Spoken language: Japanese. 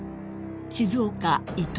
［静岡伊東